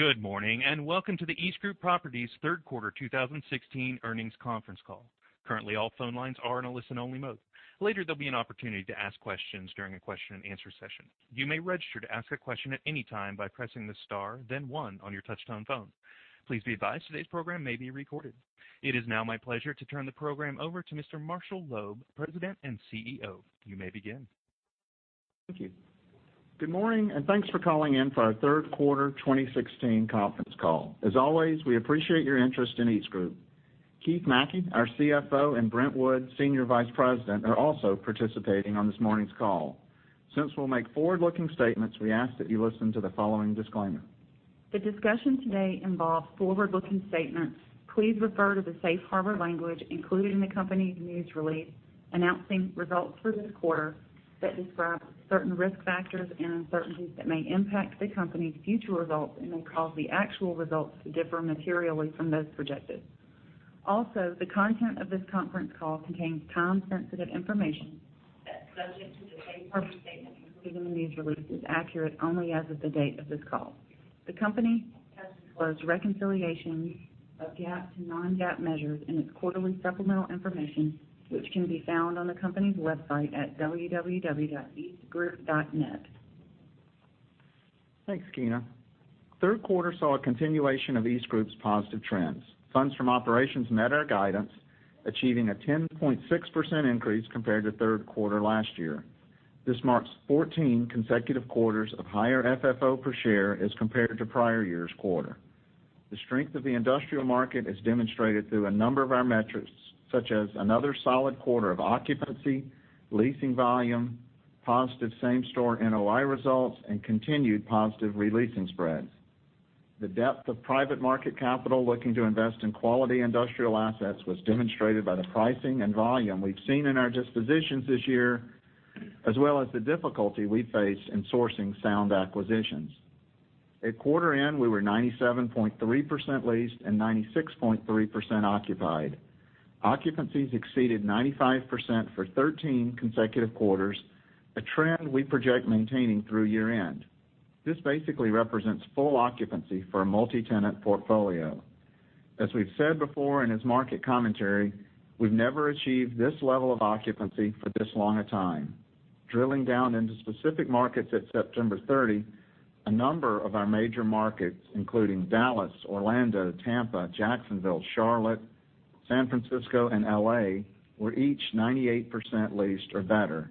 Good morning, welcome to the EastGroup Properties third quarter 2016 earnings conference call. Currently, all phone lines are in a listen-only mode. Later, there'll be an opportunity to ask questions during a question-and-answer session. You may register to ask a question at any time by pressing the star, then one on your touchtone phone. Please be advised, today's program may be recorded. It is now my pleasure to turn the program over to Mr. Marshall Loeb, President and CEO. You may begin. Thank you. Good morning, thanks for calling in for our third quarter 2016 conference call. As always, we appreciate your interest in EastGroup. Keith McKey, our CFO, and Brent Wood, Senior Vice President, are also participating on this morning's call. Since we'll make forward-looking statements, we ask that you listen to the following disclaimer. The discussion today involves forward-looking statements. Please refer to the safe harbor language included in the company's news release announcing results for this quarter that describes certain risk factors and uncertainties that may impact the company's future results and may cause the actual results to differ materially from those projected. Also, the content of this conference call contains time-sensitive information that's subject to the safe harbor statement included in the news release is accurate only as of the date of this call. The company has disclosed reconciliations of GAAP to non-GAAP measures in its quarterly supplemental information, which can be found on the company's website at www.eastgroup.net. Thanks, Keena. Third quarter saw a continuation of EastGroup's positive trends. Funds from operations met our guidance, achieving a 10.6% increase compared to third quarter last year. This marks 14 consecutive quarters of higher FFO per share as compared to prior year's quarter. The strength of the industrial market is demonstrated through a number of our metrics, such as another solid quarter of occupancy, leasing volume, positive same-store NOI results, and continued positive re-leasing spreads. The depth of private market capital looking to invest in quality industrial assets was demonstrated by the pricing and volume we've seen in our dispositions this year, as well as the difficulty we face in sourcing sound acquisitions. At quarter end, we were 97.3% leased and 96.3% occupied. Occupancies exceeded 95% for 13 consecutive quarters, a trend we project maintaining through year-end. This basically represents full occupancy for a multi-tenant portfolio. As we've said before, as market commentary, we've never achieved this level of occupancy for this long a time. Drilling down into specific markets at September 30, a number of our major markets, including Dallas, Orlando, Tampa, Jacksonville, Charlotte, San Francisco, and L.A., were each 98% leased or better.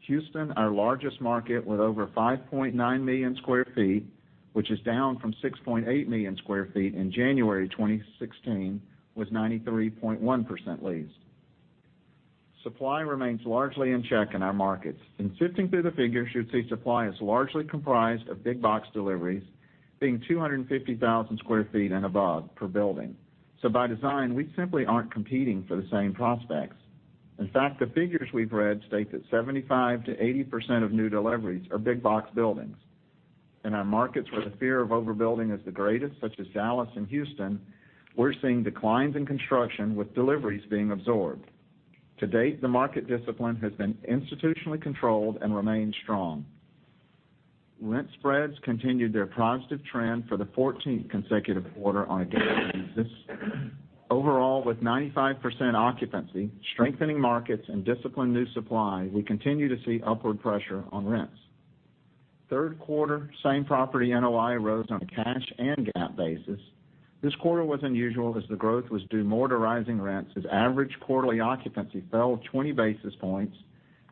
Houston, our largest market with over 5.9 million square feet, which is down from 6.8 million square feet in January 2016, was 93.1% leased. Supply remains largely in check in our markets. Sifting through the figures, you'd see supply is largely comprised of big box deliveries, being 250,000 square feet and above per building. By design, we simply aren't competing for the same prospects. In fact, the figures we've read state that 75%-80% of new deliveries are big box buildings. In our markets where the fear of overbuilding is the greatest, such as Dallas and Houston, we're seeing declines in construction with deliveries being absorbed. To date, the market discipline has been institutionally controlled and remains strong. Rent spreads continued their positive trend for the 14th consecutive quarter on a daily basis. Overall, with 95% occupancy, strengthening markets, and disciplined new supply, we continue to see upward pressure on rents. Third quarter same property NOI rose on a cash and GAAP basis. This quarter was unusual as the growth was due more to rising rents as average quarterly occupancy fell 20 basis points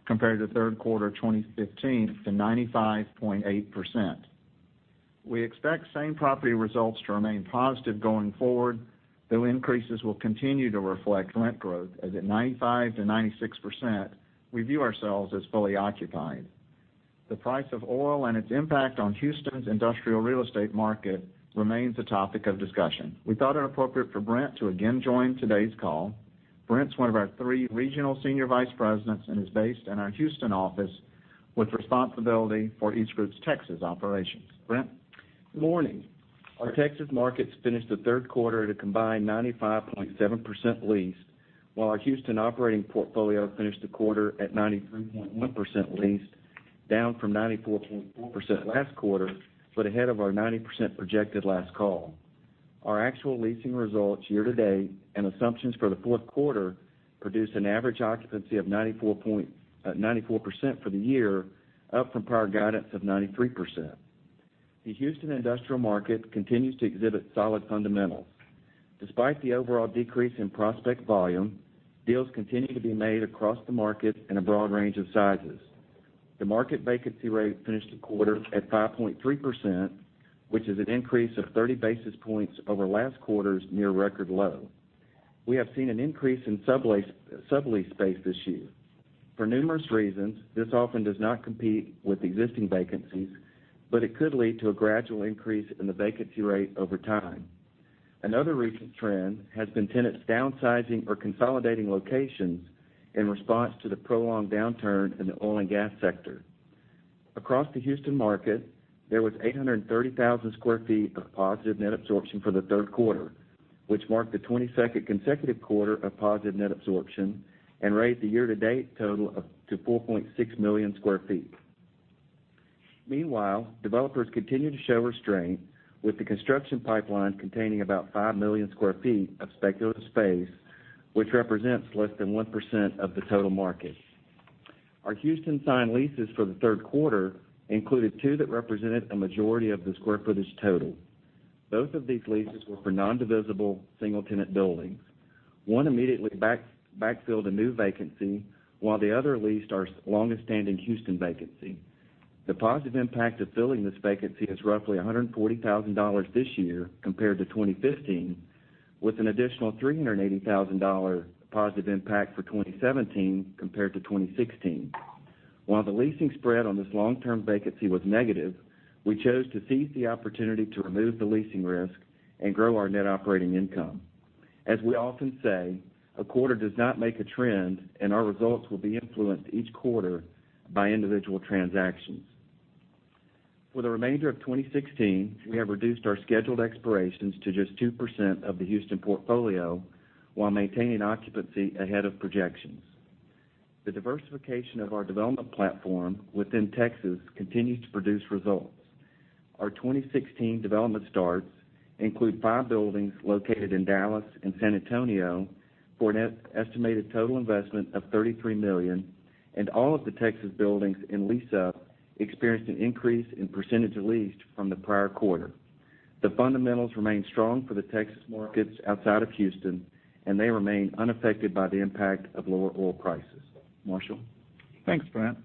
compared to third quarter 2015 to 95.8%. We expect same property results to remain positive going forward, though increases will continue to reflect rent growth, as at 95%-96%, we view ourselves as fully occupied. The price of oil and its impact on Houston's industrial real estate market remains a topic of discussion. We thought it appropriate for Brent to again join today's call. Brent's one of our three regional senior vice presidents and is based in our Houston office with responsibility for EastGroup's Texas operations. Brent? Good morning. Our Texas markets finished the third quarter at a combined 95.7% leased, while our Houston operating portfolio finished the quarter at 93.1% leased, down from 94.4% last quarter, but ahead of our 90% projected last call. Our actual leasing results year to date and assumptions for the fourth quarter produce an average occupancy of 94% for the year, up from prior guidance of 93%. The Houston industrial market continues to exhibit solid fundamentals. Despite the overall decrease in prospect volume, deals continue to be made across the market in a broad range of sizes. The market vacancy rate finished the quarter at 5.3%, which is an increase of 30 basis points over last quarter's near record low. We have seen an increase in sublease space this year. For numerous reasons, this often does not compete with existing vacancies, but it could lead to a gradual increase in the vacancy rate over time. Another recent trend has been tenants downsizing or consolidating locations in response to the prolonged downturn in the oil and gas sector. Across the Houston market, there was 830,000 sq ft of positive net absorption for the third quarter. Which marked the 22nd consecutive quarter of positive net absorption and raised the year-to-date total up to 4.6 million sq ft. Meanwhile, developers continue to show restraint with the construction pipeline containing about 5 million sq ft of speculative space, which represents less than 1% of the total market. Our Houston signed leases for the third quarter included two that represented a majority of the square footage total. Both of these leases were for non-divisible single-tenant buildings. One immediately backfilled a new vacancy, while the other leased our longest-standing Houston vacancy. The positive impact of filling this vacancy is roughly $140,000 this year compared to 2015, with an additional $380,000 positive impact for 2017 compared to 2016. While the leasing spread on this long-term vacancy was negative, we chose to seize the opportunity to remove the leasing risk and grow our net operating income. As we often say, a quarter does not make a trend, and our results will be influenced each quarter by individual transactions. For the remainder of 2016, we have reduced our scheduled expirations to just 2% of the Houston portfolio while maintaining occupancy ahead of projections. The diversification of our development platform within Texas continues to produce results. Our 2016 development starts include five buildings located in Dallas and San Antonio for an estimated total investment of $33 million. All of the Texas buildings in lease up experienced an increase in percentage of leased from the prior quarter. The fundamentals remain strong for the Texas markets outside of Houston. They remain unaffected by the impact of lower oil prices. Marshall? Thanks, Brent.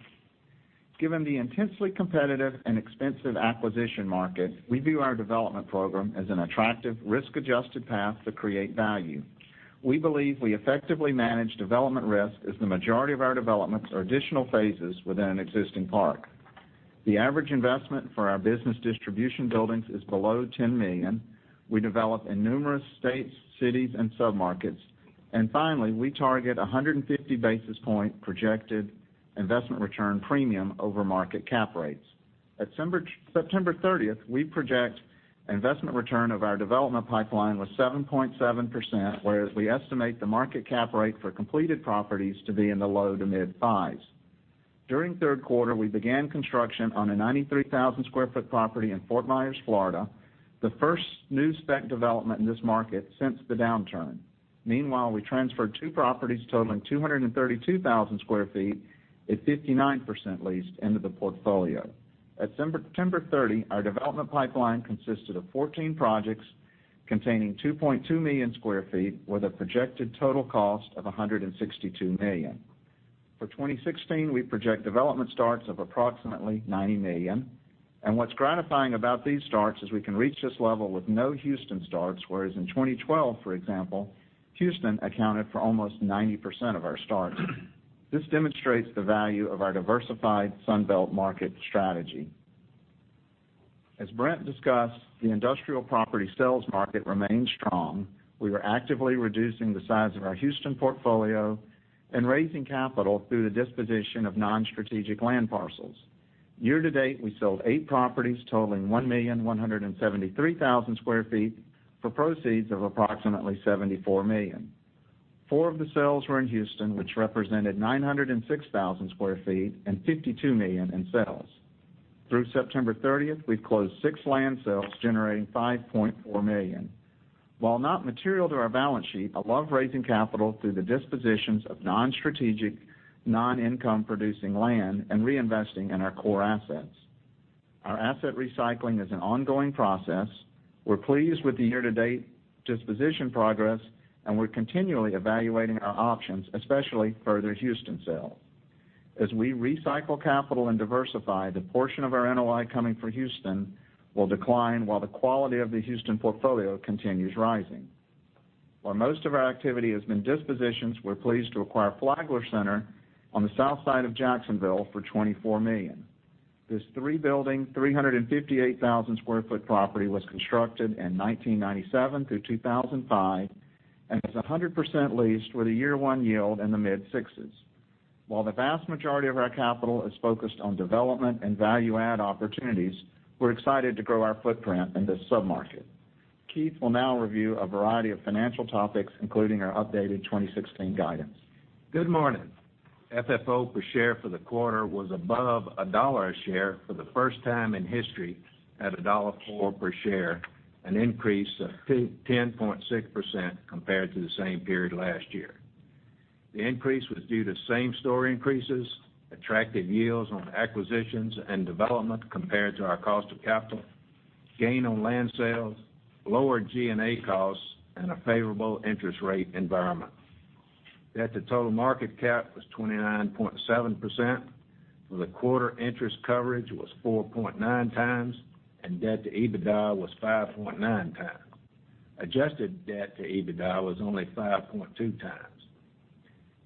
Given the intensely competitive and expensive acquisition market, we view our development program as an attractive risk-adjusted path to create value. We believe we effectively manage development risk, as the majority of our developments are additional phases within an existing park. The average investment for our business distribution buildings is below $10 million. We develop in numerous states, cities, and submarkets. Finally, we target 150 basis point projected investment return premium over market cap rates. At September 30th, we project investment return of our development pipeline was 7.7%, whereas we estimate the market cap rate for completed properties to be in the low to mid fives. During the third quarter, we began construction on a 93,000 sq ft property in Fort Myers, Florida, the first new spec development in this market since the downturn. Meanwhile, we transferred two properties totaling 232,000 sq ft at 59% leased into the portfolio. At September 30, our development pipeline consisted of 14 projects containing 2.2 million sq ft with a projected total cost of $162 million. For 2016, we project development starts of approximately $90 million, and what's gratifying about these starts is we can reach this level with no Houston starts, whereas in 2012, for example, Houston accounted for almost 90% of our starts. This demonstrates the value of our diversified Sun Belt market strategy. As Brent discussed, the industrial property sales market remains strong. We are actively reducing the size of our Houston portfolio and raising capital through the disposition of non-strategic land parcels. Year to date, we sold eight properties totaling 1,173,000 sq ft for proceeds of approximately $74 million. Four of the sales were in Houston, which represented 906,000 sq ft and $52 million in sales. Through September 30, we've closed six land sales, generating $5.4 million. While not material to our balance sheet, I love raising capital through the dispositions of non-strategic, non-income-producing land and reinvesting in our core assets. Our asset recycling is an ongoing process. We're pleased with the year-to-date disposition progress, and we're continually evaluating our options, especially further Houston sales. As we recycle capital and diversify, the portion of our NOI coming from Houston will decline while the quality of the Houston portfolio continues rising. While most of our activity has been dispositions, we're pleased to acquire Flagler Center on the south side of Jacksonville for $24 million. This three-building, 358,000 sq ft property was constructed in 1997 through 2005 and is 100% leased with a year one yield in the mid sixes. While the vast majority of our capital is focused on development and value add opportunities, we're excited to grow our footprint in this submarket. Keith will now review a variety of financial topics, including our updated 2016 guidance. Good morning. FFO per share for the quarter was above $1 a share for the first time in history at $1.04 per share, an increase of 10.6% compared to the same period last year. The increase was due to same-store increases, attractive yields on acquisitions and development compared to our cost of capital, gain on land sales, lower G&A costs, and a favorable interest rate environment. Debt to total market cap was 29.7%. For the quarter, interest coverage was 4.9 times, and debt to EBITDA was 5.9 times. Adjusted debt to EBITDA was only 5.2 times.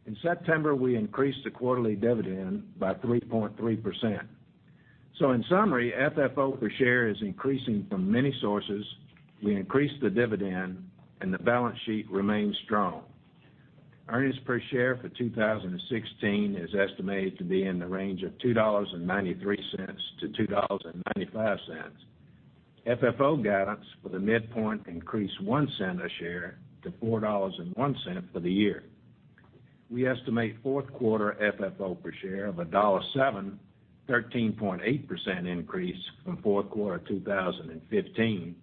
In September, we increased the quarterly dividend by 3.3%. In summary, FFO per share is increasing from many sources. We increased the dividend, and the balance sheet remains strong. Earnings per share for 2016 is estimated to be in the range of $2.93-$2.95. FFO guidance for the midpoint increased $0.01 a share to $4.01 for the year. We estimate fourth quarter FFO per share of $1.07, 13.8% increase from fourth quarter 2015,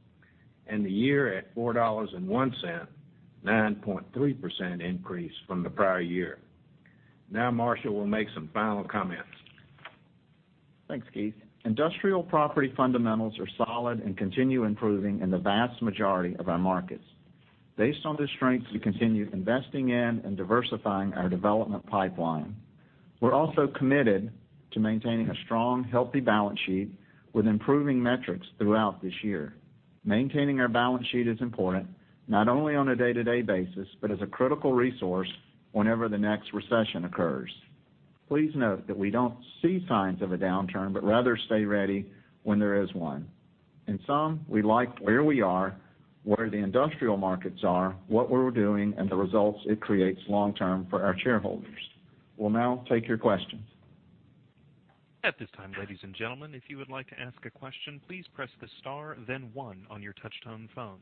and the year at $4.01, 9.3% increase from the prior year. Marshall will make some final comments. Thanks, Keith. Industrial property fundamentals are solid and continue improving in the vast majority of our markets. Based on the strengths, we continue investing in and diversifying our development pipeline. We're also committed to maintaining a strong, healthy balance sheet with improving metrics throughout this year. Maintaining our balance sheet is important, not only on a day-to-day basis, but as a critical resource whenever the next recession occurs. Please note that we don't see signs of a downturn, but rather stay ready when there is one. In sum, we like where we are, where the industrial markets are, what we're doing, and the results it creates long term for our shareholders. We'll take your questions. At this time, ladies and gentlemen, if you would like to ask a question, please press the star then one on your touch-tone phone.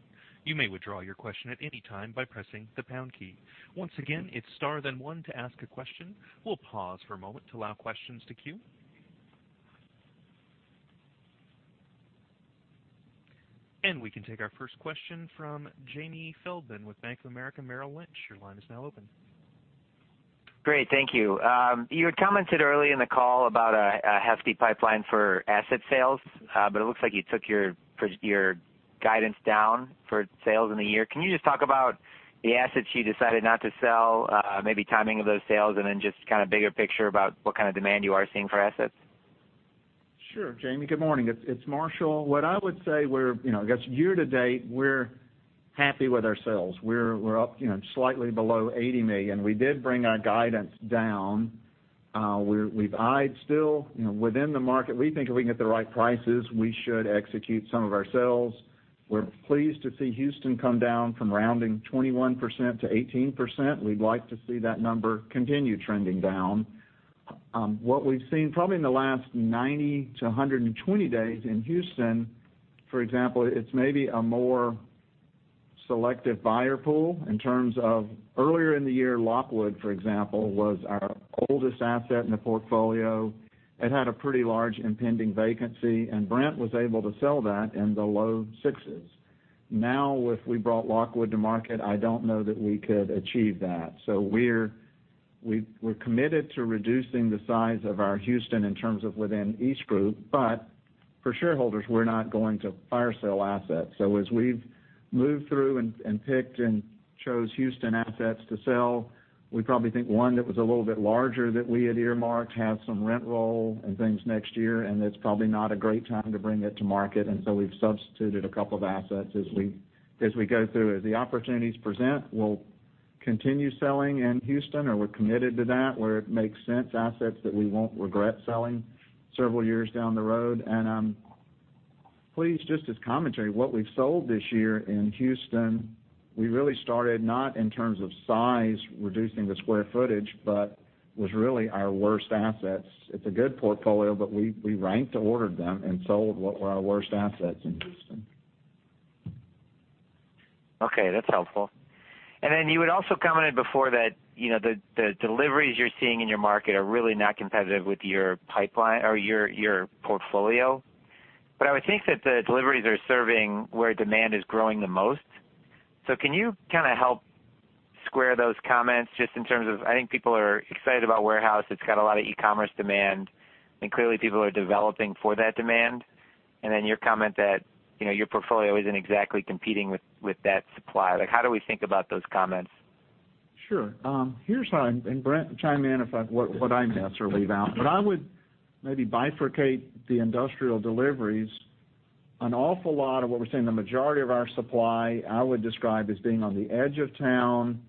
You may withdraw your question at any time by pressing the pound key. Once again, it's star then one to ask a question. We'll pause for a moment to allow questions to queue. We can take our first question from Jamie Feldman with Bank of America Merrill Lynch. Your line is now open. Great, thank you. You had commented early in the call about a hefty pipeline for asset sales. It looks like you took your guidance down for sales in the year. Can you just talk about the assets you decided not to sell, maybe timing of those sales, and then just kind of bigger picture about what kind of demand you are seeing for assets? Sure, Jamie. Good morning. It's Marshall. What I would say, year to date, we're happy with our sales. We're up slightly below $80 million. We did bring our guidance down. We've eyed still within the market, we think if we can get the right prices, we should execute some of our sales. We're pleased to see Houston come down from rounding 21% to 18%. We'd like to see that number continue trending down. What we've seen probably in the last 90 to 120 days in Houston, for example, it's maybe a more selective buyer pool in terms of earlier in the year, Lockwood, for example, was our oldest asset in the portfolio. It had a pretty large impending vacancy, and Brent was able to sell that in the low sixes. If we brought Lockwood to market, I don't know that we could achieve that. We're committed to reducing the size of our Houston in terms of within EastGroup, but for shareholders, we're not going to fire sale assets. As we've moved through and picked and chose Houston assets to sell, we probably think one that was a little bit larger that we had earmarked has some rent roll and things next year, and it's probably not a great time to bring it to market. We've substituted a couple of assets as we go through. As the opportunities present, we'll continue selling in Houston, we're committed to that where it makes sense, assets that we won't regret selling several years down the road. I'm pleased just as commentary, what we've sold this year in Houston, we really started not in terms of size, reducing the square footage, but was really our worst assets. It's a good portfolio, we ranked ordered them and sold what were our worst assets in Houston. That's helpful. You had also commented before that the deliveries you're seeing in your market are really not competitive with your pipeline or your portfolio. I would think that the deliveries are serving where demand is growing the most. Can you kind of help square those comments just in terms of, I think people are excited about warehouse. It's got a lot of e-commerce demand, clearly people are developing for that demand. Your comment that your portfolio isn't exactly competing with that supply. Like, how do we think about those comments? Sure. Here's how I'm, and Brent, chime in if what I miss or leave out. I would maybe bifurcate the industrial deliveries. An awful lot of what we're seeing, the majority of our supply, I would describe as being on the edge of town,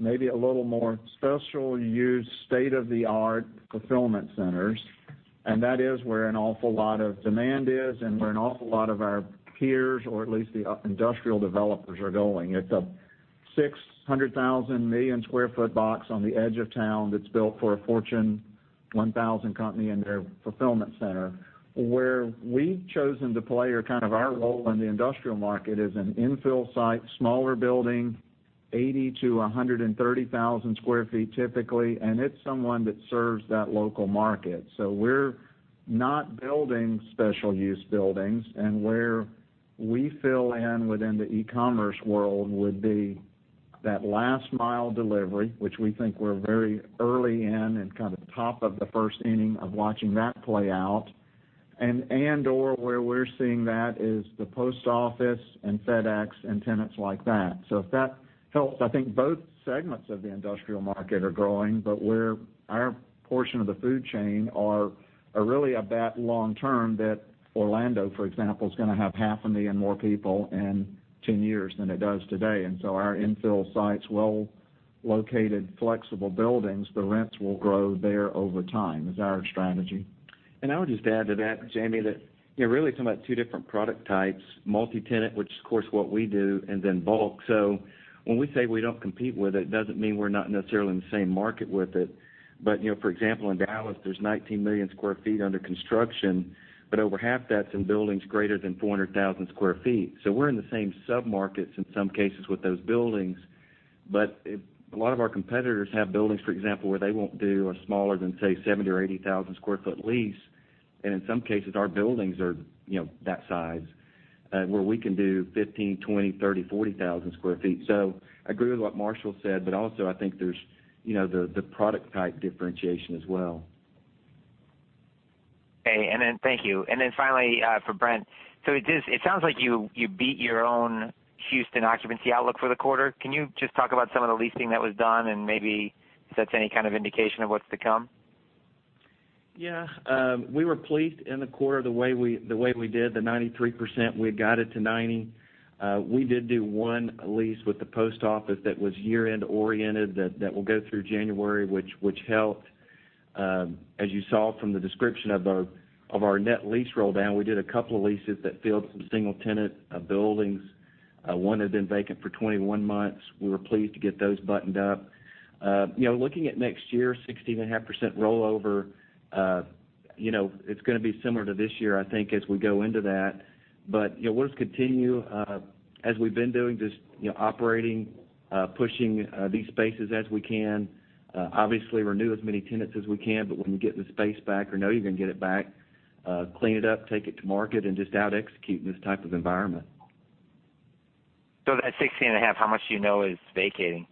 maybe a little more special use, state-of-the-art fulfillment centers. That is where an awful lot of demand is and where an awful lot of our peers, or at least the industrial developers are going. It's a 600,000 million square foot box on the edge of town that's built for a Fortune 1000 company and their fulfillment center. Where we've chosen to play or kind of our role in the industrial market is an infill site, smaller building, 80,000 to 130,000 square feet, typically, and it's someone that serves that local market. We're not building special use buildings, where we fill in within the e-commerce world would be that last mile delivery, which we think we're very early in and kind of top of the first inning of watching that play out. Where we're seeing that is the post office and FedEx and tenants like that. If that helps, I think both segments of the industrial market are growing, but where our portion of the food chain are really a bet long term that Orlando, for example, is going to have half a million more people in 10 years than it does today. Our infill sites, well-located, flexible buildings, the rents will grow there over time, is our strategy. I would just add to that, Jamie, that you're really talking about two different product types, multi-tenant, which of course what we do, and then bulk. When we say we don't compete with it doesn't mean we're not necessarily in the same market with it. For example, in Dallas, there's 19 million square feet under construction, over half that's in buildings greater than 400,000 square feet. We're in the same submarkets in some cases with those buildings. A lot of our competitors have buildings, for example, where they won't do a smaller than, say, 70,000 or 80,000 square foot lease. In some cases, our buildings are that size, where we can do 15,000, 20,000, 30,000, 40,000 square feet. I agree with what Marshall said, but also I think there's the product type differentiation as well. Okay. Thank you. Then finally, for Brent. It sounds like you beat your own Houston occupancy outlook for the quarter. Can you just talk about some of the leasing that was done and maybe if that's any kind of indication of what's to come? Yeah. We were pleased in the quarter the way we did, the 93%, we had guided to 90. We did do one lease with the post office that was year-end-oriented that will go through January, which helped. As you saw from the description of our net lease roll down, we did a couple of leases that filled some single-tenant buildings. One had been vacant for 21 months. We were pleased to get those buttoned up. Looking at next year, 16.5% rollover, it's going to be similar to this year, I think, as we go into that. We'll just continue as we've been doing, just operating, pushing these spaces as we can. Obviously renew as many tenants as we can, when we get the space back or know you're going to get it back, clean it up, take it to market, and just out-execute in this type of environment. That 16.5%, how much do you know is vacating?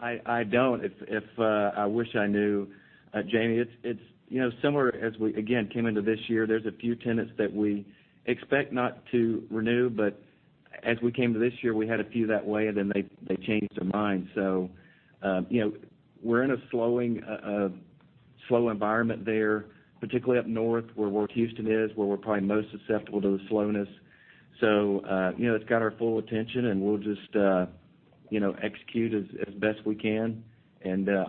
I don't. I wish I knew, Jamie. It's similar as we, again, came into this year. There's a few tenants that we expect not to renew, as we came to this year, we had a few that way, and then they changed their mind. We're in a slow environment there, particularly up north where Houston is, where we're probably most susceptible to the slowness. It's got our full attention, and we'll just execute as best we can.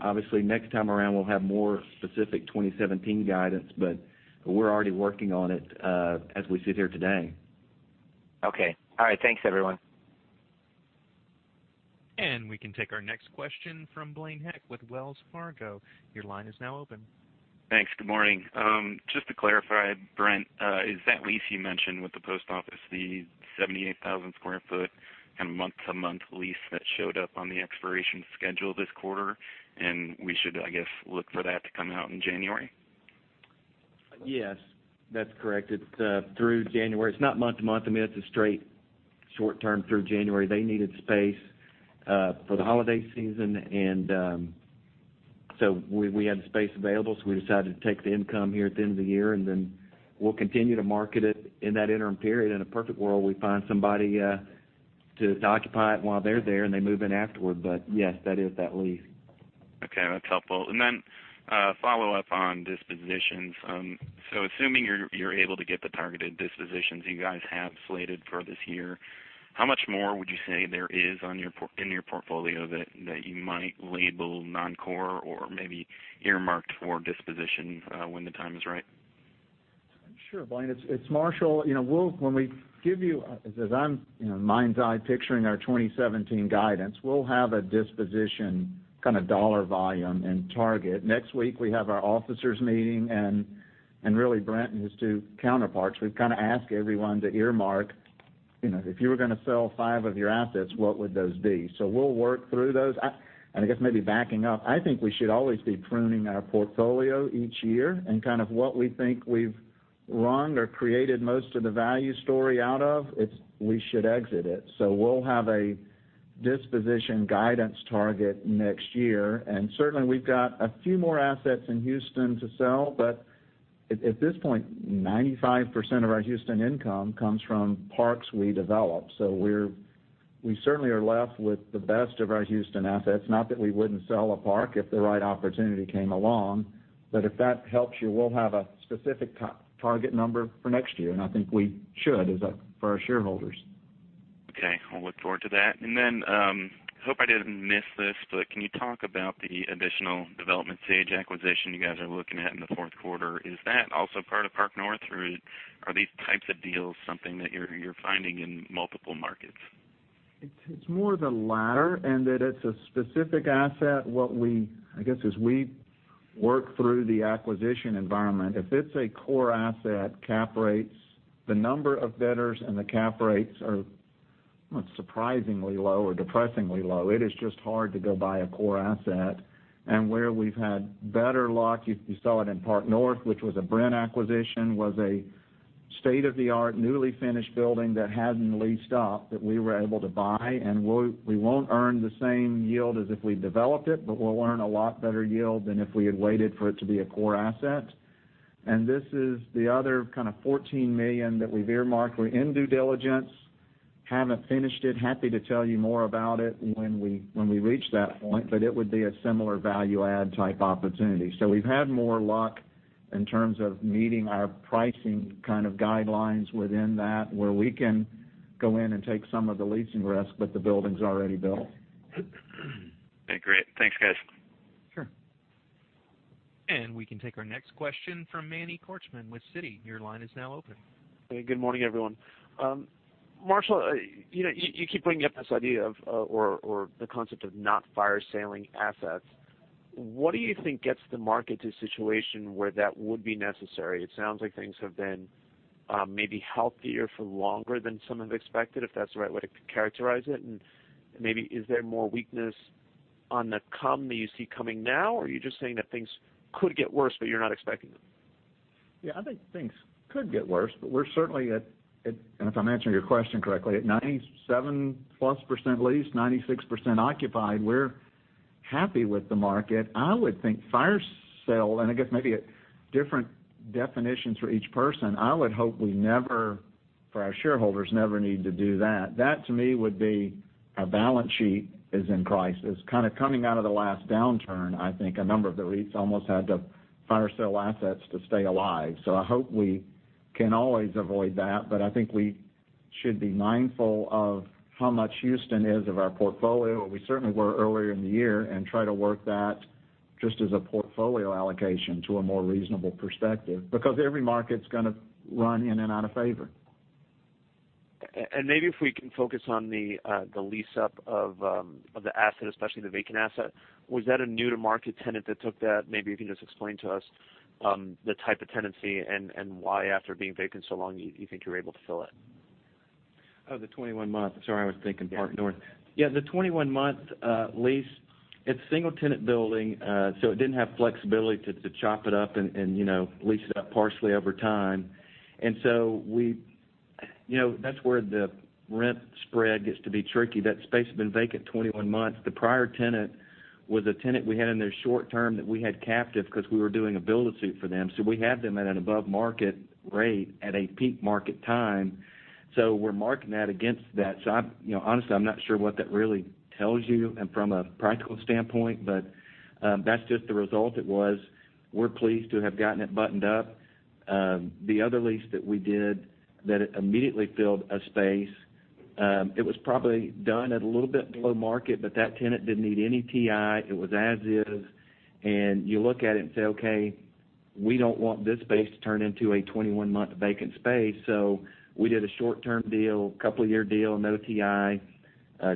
Obviously next time around, we'll have more specific 2017 guidance, but we're already working on it as we sit here today. Okay. All right. Thanks, everyone. We can take our next question from Blaine Heck with Wells Fargo. Your line is now open. Thanks. Good morning. Just to clarify, Brent, is that lease you mentioned with the post office the 78,000 square foot kind of month-to-month lease that showed up on the expiration schedule this quarter, and we should, I guess, look for that to come out in January? Yes, that's correct. It's through January. It's not month-to-month. I mean, it's a straight short term through January. They needed space for the holiday season, and so we had the space available, so we decided to take the income here at the end of the year, and then we'll continue to market it in that interim period. In a perfect world, we find somebody to occupy it while they're there, and they move in afterward. Yes, that is that lease. That's helpful. A follow-up on dispositions. Assuming you're able to get the targeted dispositions you guys have slated for this year, how much more would you say there is in your portfolio that you might label non-core or maybe earmarked for disposition when the time is right? Sure, Blaine, it's Marshall. As I'm mind's eye picturing our 2017 guidance, we'll have a disposition kind of dollar volume and target. Next week, we have our officers meeting Brent and his two counterparts. We've kind of asked everyone to earmark, if you were going to sell five of your assets, what would those be? We'll work through those. I guess maybe backing up, I think we should always be pruning our portfolio each year and kind of what we think we've wrung or created most of the value story out of, we should exit it. We'll have a disposition guidance target next year. Certainly, we've got a few more assets in Houston to sell. At this point, 95% of our Houston income comes from parks we develop. We certainly are left with the best of our Houston assets. Not that we wouldn't sell a park if the right opportunity came along, if that helps you, we'll have a specific target number for next year, I think we should for our shareholders. Okay. I'll look forward to that. I hope I didn't miss this, can you talk about the additional development stage acquisition you guys are looking at in the fourth quarter? Is that also part of Park North, or are these types of deals something that you're finding in multiple markets? That it's a specific asset. I guess as we work through the acquisition environment, if it's a core asset, the number of bidders and the cap rates are surprisingly low or depressingly low. It is just hard to go buy a core asset. Where we've had better luck, you saw it in Park North, which was a Brent acquisition, was a state-of-the-art, newly finished building that hadn't leased up that we were able to buy, and we won't earn the same yield as if we developed it, but we'll earn a lot better yield than if we had waited for it to be a core asset. This is the other kind of $14 million that we've earmarked. We're in due diligence, haven't finished it. Happy to tell you more about it when we reach that point, it would be a similar value add type opportunity. We've had more luck in terms of meeting our pricing kind of guidelines within that, where we can go in and take some of the leasing risk, the building's already built. Okay, great. Thanks, guys. Sure. We can take our next question from Manny Korchman with Citi. Your line is now open. Hey, good morning, everyone. Marshall, you keep bringing up this idea of, or the concept of not fire-saling assets. What do you think gets the market to a situation where that would be necessary? It sounds like things have been maybe healthier for longer than some have expected, if that's the right way to characterize it. Maybe is there more weakness on the come that you see coming now, or are you just saying that things could get worse, but you're not expecting them? Yeah, I think things could get worse, but we're certainly at, and if I'm answering your question correctly, at 97%+ leased, 96% occupied. We're happy with the market. I would think fire sale, and I guess maybe a different definition for each person. I would hope we never, for our shareholders, never need to do that. That to me, would be our balance sheet is in crisis. Coming out of the last downturn, I think a number of the REITs almost had to fire sale assets to stay alive. I hope we can always avoid that, but I think we should be mindful of how much Houston is of our portfolio, or we certainly were earlier in the year, and try to work that just as a portfolio allocation to a more reasonable perspective. Every market's going to run in and out of favor. Maybe if we can focus on the lease-up of the asset, especially the vacant asset. Was that a new-to-market tenant that took that? Maybe if you can just explain to us, the type of tenancy and why after being vacant so long, you think you were able to fill it. Oh, the 21-month. Sorry, I was thinking Park North. Yeah, the 21-month lease, it's a single-tenant building, so it didn't have flexibility to chop it up and lease it up partially over time. That's where the rent spread gets to be tricky. That space had been vacant 21 months. The prior tenant was a tenant we had in there short-term that we had captive because we were doing a build-to-suit for them. We had them at an above-market rate at a peak market time. Honestly, I'm not sure what that really tells you and from a practical standpoint, but that's just the result it was. We're pleased to have gotten it buttoned up. The other lease that we did, that it immediately filled a space. It was probably done at a little bit below market, but that tenant didn't need any TI. It was as is. You look at it and say, "Okay, we don't want this space to turn into a 21-month vacant space." We did a short-term deal, couple of year deal, no TI.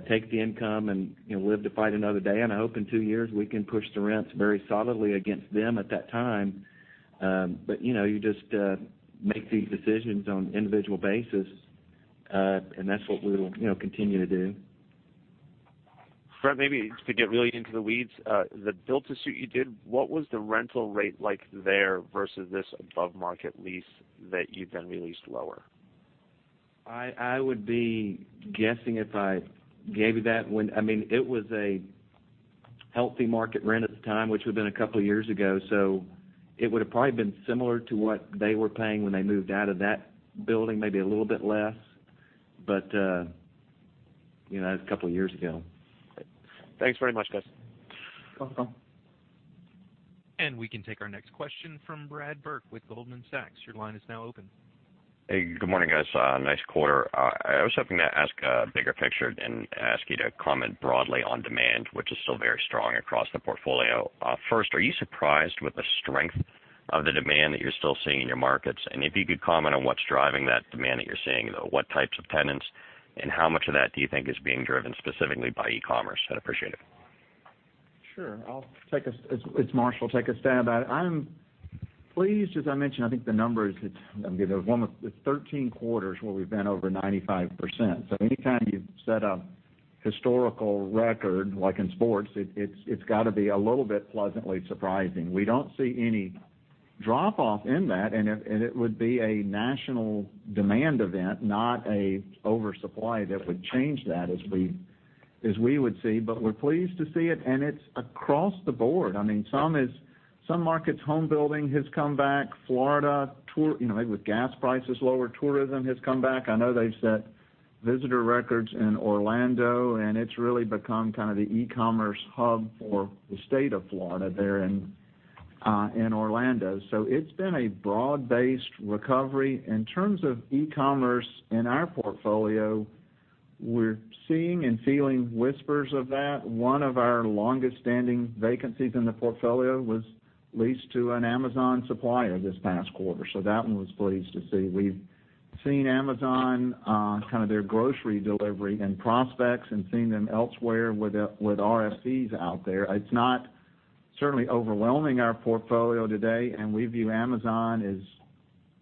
Take the income and live to fight another day. I hope in two years, we can push the rents very solidly against them at that time. You just make these decisions on individual basis. That's what we'll continue to do. Brent, maybe to get really into the weeds, the build to suit you did, what was the rental rate like there versus this above market lease that you then re-leased lower? I would be guessing if I gave you that when. It was a healthy market rent at the time, which would've been a couple of years ago. It would've probably been similar to what they were paying when they moved out of that building, maybe a little bit less. That was a couple of years ago. Thanks very much, guys. Welcome. We can take our next question from Brad Burke with Goldman Sachs. Your line is now open. Hey, good morning, guys. Nice quarter. I was hoping to ask a bigger picture and ask you to comment broadly on demand, which is still very strong across the portfolio. First, are you surprised with the strength of the demand that you're still seeing in your markets? If you could comment on what's driving that demand that you're seeing, what types of tenants, and how much of that do you think is being driven specifically by e-commerce? I'd appreciate it. Sure. As Marshall take a stab at it. I'm pleased, as I mentioned, I think the number is it's, again, it's 13 quarters where we've been over 95%. Anytime you set a historical record, like in sports, it's got to be a little bit pleasantly surprising. We don't see any drop off in that, and it would be a national demand event, not an oversupply that would change that as we would see. We're pleased to see it, and it's across the board. Some markets, home building has come back. Florida, maybe with gas prices lower, tourism has come back. I know they've set visitor records in Orlando, and it's really become kind of the e-commerce hub for the state of Florida there in Orlando. It's been a broad-based recovery. In terms of e-commerce in our portfolio, we're seeing and feeling whispers of that. One of our longest-standing vacancies in the portfolio was leased to an Amazon supplier this past quarter, so that one was pleased to see. We've seen Amazon, kind of their grocery delivery and prospects, and seen them elsewhere with RFPs out there. It's not certainly overwhelming our portfolio today, and we view Amazon as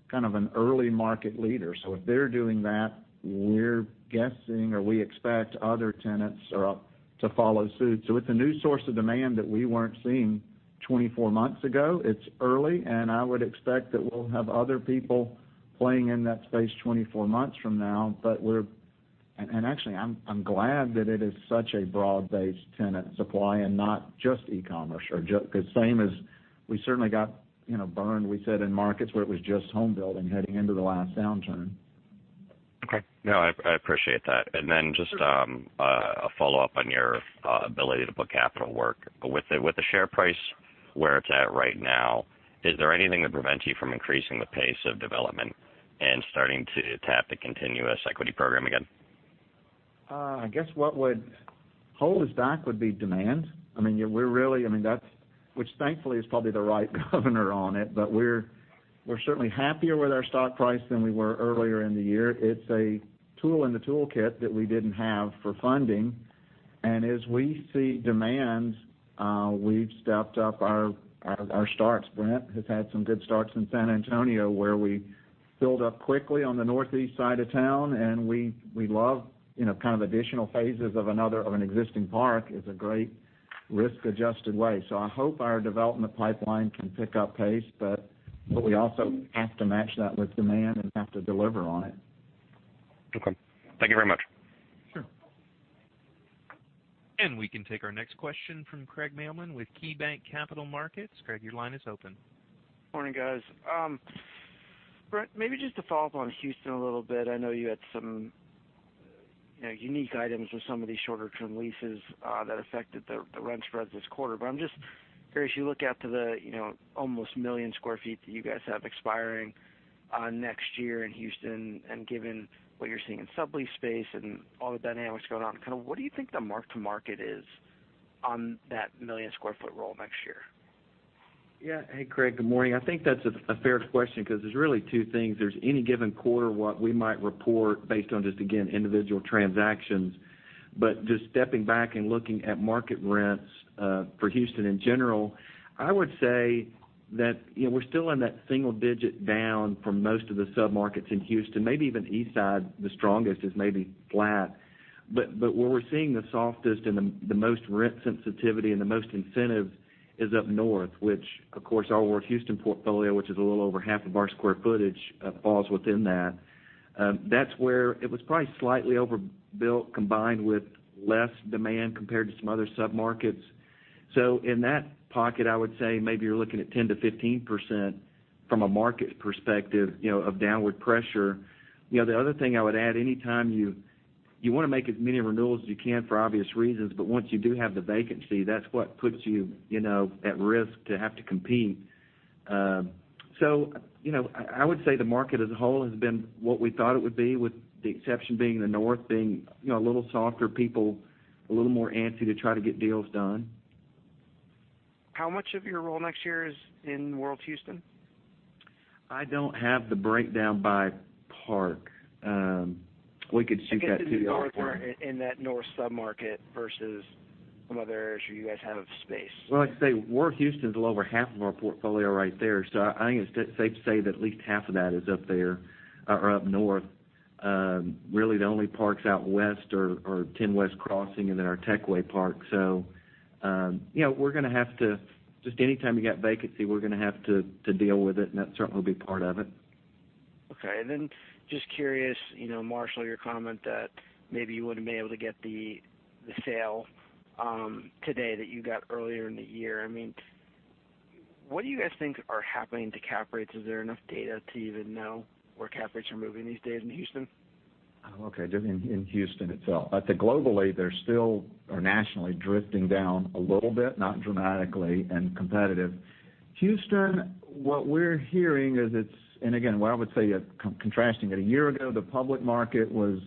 kind of an early market leader. If they're doing that, we're guessing or we expect other tenants to follow suit. It's a new source of demand that we weren't seeing 24 months ago. It's early, and I would expect that we'll have other people playing in that space 24 months from now. We're actually, I'm glad that it is such a broad-based tenant supply and not just e-commerce or just. Because same as we certainly got burned, we said in markets where it was just home building heading into the last downturn. Okay. No, I appreciate that. Then just a follow-up on your ability to put capital to work. With the share price where it's at right now, is there anything that prevents you from increasing the pace of development and starting to tap the continuous equity program again? I guess what would hold us back would be demand. Which thankfully is probably the right governor on it, but we're certainly happier with our stock price than we were earlier in the year. It's a tool in the toolkit that we didn't have for funding. As we see demand, we've stepped up our starts. Brent has had some good starts in San Antonio, where we build up quickly on the northeast side of town, and we love kind of additional phases of an existing park. It's a great risk-adjusted way. I hope our development pipeline can pick up pace, but we also have to match that with demand and have to deliver on it. Okay. Thank you very much. Sure. We can take our next question from Craig Mailman with KeyBanc Capital Markets. Craig, your line is open. Morning, guys. Brent, maybe just to follow up on Houston a little bit. I know you had some unique items with some of these shorter-term leases that affected the rent spreads this quarter. I'm just curious, you look out to the almost 1 million square feet that you guys have expiring next year in Houston, and given what you're seeing in sublease space and all the dynamics going on, what do you think the mark to market is on that 1 million square foot roll next year? Yeah. Hey, Craig. Good morning. I think that's a fair question because there's really two things. There's any given quarter, what we might report based on just, again, individual transactions. Just stepping back and looking at market rents for Houston in general, I would say that we're still in that single digit down for most of the sub-markets in Houston, maybe even east side, the strongest, is maybe flat. Where we're seeing the softest and the most rent sensitivity and the most incentive is up north, which of course, our World Houston portfolio, which is a little over half of our square footage, falls within that. That's where it was probably slightly overbuilt, combined with less demand compared to some other sub-markets. In that pocket, I would say maybe you're looking at 10%-15% from a market perspective, of downward pressure. The other thing I would add, you want to make as many renewals as you can for obvious reasons, but once you do have the vacancy, that's what puts you at risk to have to compete. I would say the market as a whole has been what we thought it would be, with the exception being the north being a little softer, people a little more antsy to try to get deals done. How much of your roll next year is in World Houston? I don't have the breakdown by park. We could shoot that to you afterward. I guess in that north sub-market versus some other areas where you guys have space. Well, like I say, World Houston's a little over half of our portfolio right there. I think it's safe to say that at least half of that is up there, or up north. Really, the only parks out west are Ten West Crossing and then our Techway Park. Just any time you got vacancy, we're going to have to deal with it, and that certainly will be part of it. Okay. Then just curious, Marshall, your comment that maybe you wouldn't have been able to get the sale today that you got earlier in the year. What do you guys think are happening to cap rates? Is there enough data to even know where cap rates are moving these days in Houston? Okay. Just in Houston itself. I think globally, they're still, or nationally, drifting down a little bit, not dramatically, and competitive. Houston, what we're hearing is, again, what I would say contrasting it, a year ago, the public market was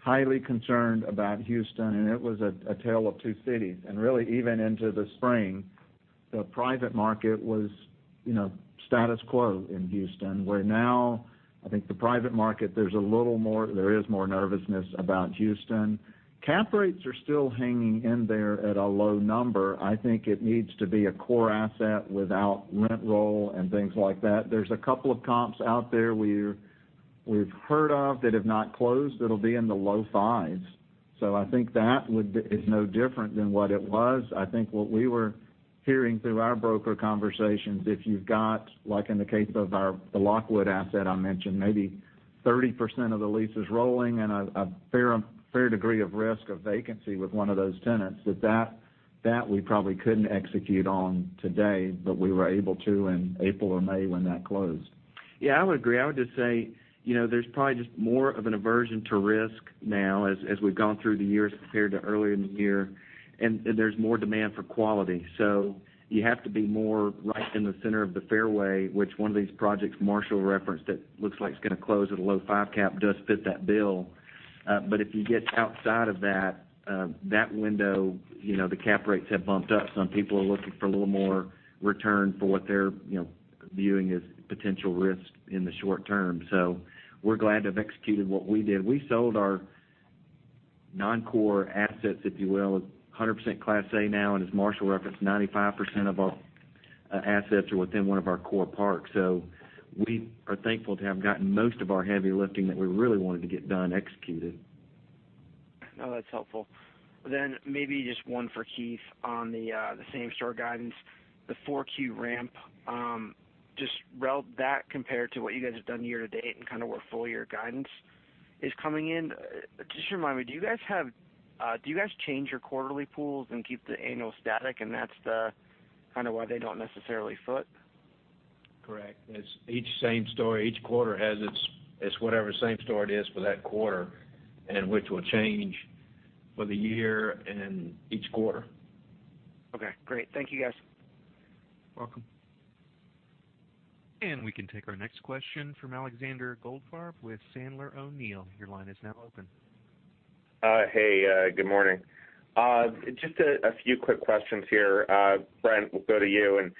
highly concerned about Houston, and it was a tale of two cities. Really even into the spring, the private market was status quo in Houston, where now I think the private market, there is more nervousness about Houston. Cap rates are still hanging in there at a low number. I think it needs to be a core asset without rent roll and things like that. There's a couple of comps out there we've heard of that have not closed, that'll be in the low fives. I think that is no different than what it was. I think what we were hearing through our broker conversations, if you've got, like in the case of the Lockwood asset I mentioned, maybe 30% of the leases rolling and a fair degree of risk of vacancy with one of those tenants, that we probably couldn't execute on today, but we were able to in April or May when that closed. Yeah, I would agree. I would just say, there's probably just more of an aversion to risk now as we've gone through the year as compared to earlier in the year, and there's more demand for quality. You have to be more right in the center of the fairway, which one of these projects Marshall referenced that looks like it's going to close at a low five cap, does fit that bill. If you get outside of that window, the cap rates have bumped up. Some people are looking for a little more return for what they're viewing as potential risk in the short term. We're glad to have executed what we did. We sold our non-core assets, if you will. 100% Class A now, and as Marshall referenced, 95% of our assets are within one of our core parks. We are thankful to have gotten most of our heavy lifting that we really wanted to get done, executed. No, that's helpful. Maybe just one for Keith on the same-store guidance, the 4Q ramp. Just that compared to what you guys have done year to date and kind of where full-year guidance is coming in. Just remind me, do you guys change your quarterly pools and keep the annual static, and that's kind of why they don't necessarily foot? Correct. It's each same-store. Each quarter, it's whatever same-store it is for that quarter, which will change for the year and each quarter. Okay, great. Thank you, guys. Welcome. We can take our next question from Alexander Goldfarb with Sandler O'Neill. Your line is now open. Hey, good morning. Just a few quick questions here. Brent, we'll go to you,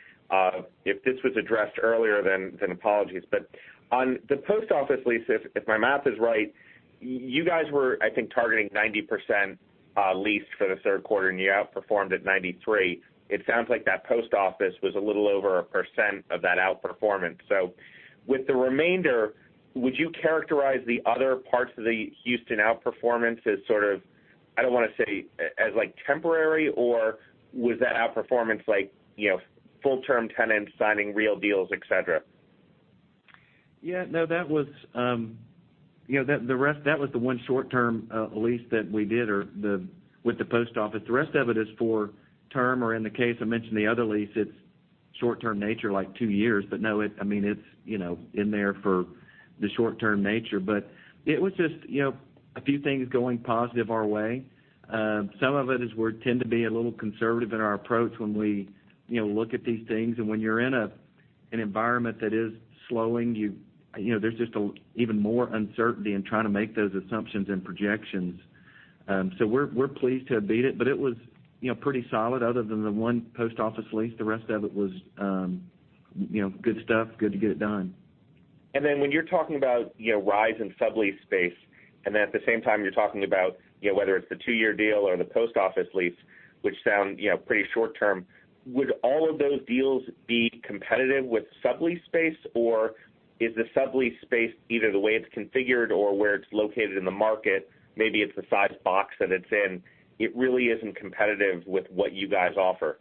if this was addressed earlier, then apologies. On the post office lease, if my math is right, you guys were, I think, targeting 90% lease for the third quarter, and you outperformed at 93%. It sounds like that post office was a little over 1% of that outperformance. With the remainder, would you characterize the other parts of the Houston outperformance as sort of, I don't want to say as temporary, or was that outperformance full-term tenants signing real deals, et cetera? Yeah, no. That was the one short-term lease that we did with the post office. The rest of it is for term, or in the case I mentioned the other lease, it's short-term nature, like two years. No, it's in there for the short-term nature. It was just a few things going positive our way. Some of it is we tend to be a little conservative in our approach when we look at these things. When you're in an environment that is slowing, there's just even more uncertainty in trying to make those assumptions and projections. We're pleased to have beat it, but it was pretty solid other than the one post office lease. The rest of it was good stuff. Good to get it done. Then when you're talking about rise in sublease space, then at the same time you're talking about whether it's the two-year deal or the post office lease, which sound pretty short-term, would all of those deals be competitive with sublease space? Is the sublease space, either the way it's configured or where it's located in the market, maybe it's the size big box that it's in, it really isn't competitive with what you guys offer?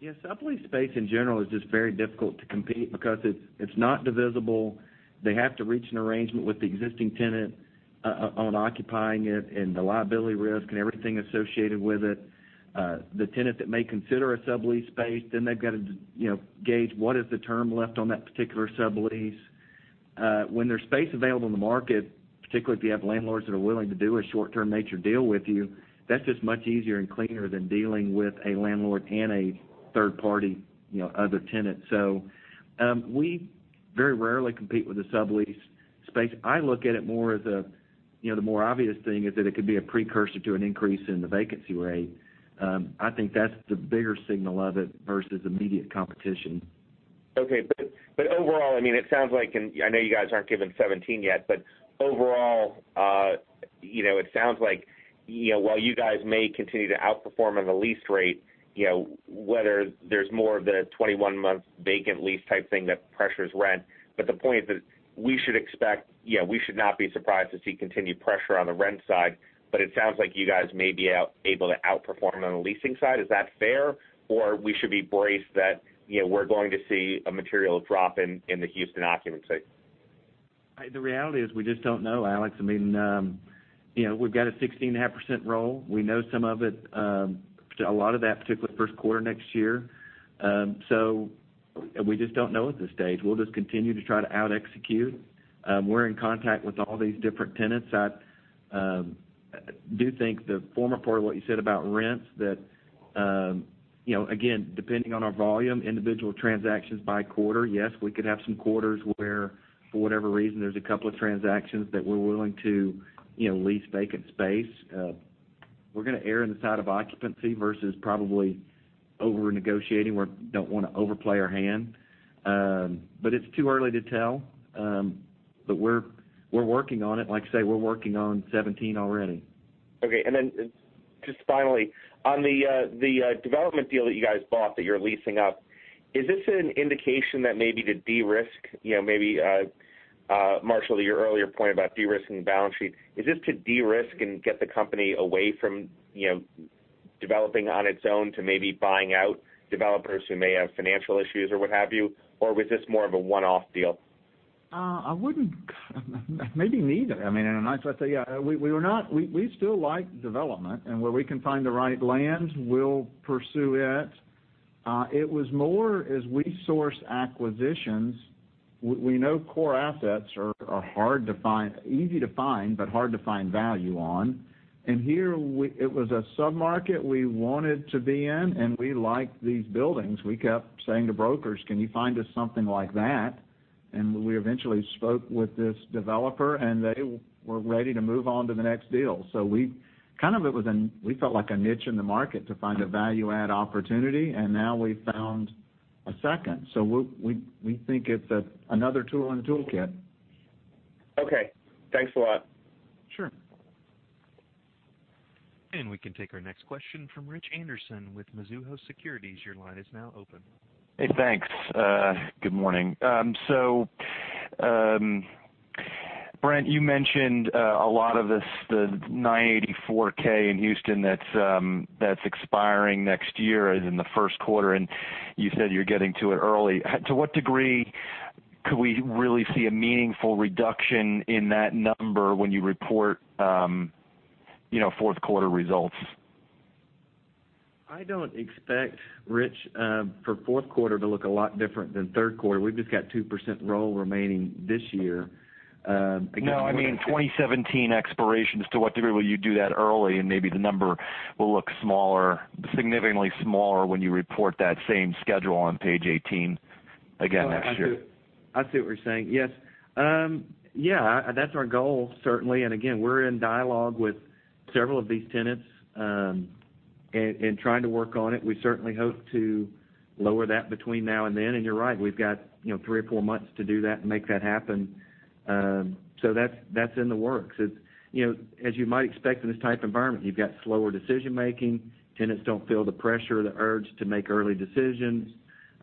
Yeah. Sublease space in general is just very difficult to compete because it's not divisible. They have to reach an arrangement with the existing tenant on occupying it, and the liability risk and everything associated with it. The tenant that may consider a sublease space, then they've got to gauge what is the term left on that particular sublease. When there's space available in the market, particularly if you have landlords that are willing to do a short-term nature deal with you, that's just much easier and cleaner than dealing with a landlord and a third party, other tenant. We very rarely compete with a sublease space. I look at it more as a, the more obvious thing is that it could be a precursor to an increase in the vacancy rate. I think that's the bigger signal of it versus immediate competition. Okay. Overall, it sounds like, and I know you guys aren't giving 2017 yet, overall, it sounds like while you guys may continue to outperform on the lease rate, whether there's more of the 21-month vacant lease type thing that pressures rent. The point is that we should not be surprised to see continued pressure on the rent side, but it sounds like you guys may be able to outperform on the leasing side. Is that fair? Or we should be braced that we're going to see a material drop in the Houston occupancy? The reality is we just don't know, Alex. We've got a 16.5% roll. We know a lot of that, particularly the first quarter next year. We just don't know at this stage. We'll just continue to try to out-execute. We're in contact with all these different tenants. I do think the former part of what you said about rents, that again, depending on our volume, individual transactions by quarter, yes, we could have some quarters where for whatever reason, there's a couple of transactions that we're willing to lease vacant space. We're going to err on the side of occupancy versus probably over-negotiating. We don't want to overplay our hand. It's too early to tell. We're working on it. Like I say, we're working on 2017 already. Okay. Just finally, on the development deal that you guys bought that you're leasing up, is this an indication that maybe to de-risk, maybe Marshall, to your earlier point about de-risking the balance sheet, is this to de-risk and get the company away from developing on its own to maybe buying out developers who may have financial issues or what have you? Or was this more of a one-off deal? Maybe neither. I mean, I say, we still like development, where we can find the right land, we'll pursue it. It was more as we source acquisitions, we know core assets are easy to find, but hard to find value on. Here, it was a sub-market we wanted to be in, we liked these buildings. We kept saying to brokers, "Can you find us something like that?" We eventually spoke with this developer, they were ready to move on to the next deal. Kind of it was, we felt like a niche in the market to find a value add opportunity, now we've found a second. We think it's another tool in the toolkit. Okay. Thanks a lot. Sure. We can take our next question from Rich Anderson with Mizuho Securities. Your line is now open. Hey, thanks. Good morning. Brent, you mentioned a lot of this, the 984,000 in Houston that's expiring next year in the first quarter, you said you're getting to it early. To what degree could we really see a meaningful reduction in that number when you report fourth quarter results? I don't expect, Rich, for fourth quarter to look a lot different than third quarter. We've just got 2% roll remaining this year. I mean 2017 expirations, to what degree will you do that early? Maybe the number will look smaller, significantly smaller, when you report that same schedule on page 18 again next year. I see what you're saying. Yes. That's our goal, certainly. Again, we're in dialogue with several of these tenants and trying to work on it. We certainly hope to lower that between now and then, you're right, we've got three or four months to do that and make that happen. That's in the works. As you might expect in this type of environment, you've got slower decision-making. Tenants don't feel the pressure or the urge to make early decisions.